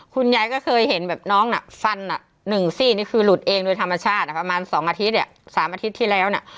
คุณยายก็เคยเห็นแบบน้องน่ะฟัน๑ซี่นี่คือหลุดเองโดยธรรมชาติประมาณ๒อาทิตย์๓อาทิตย์ที่แล้วนะ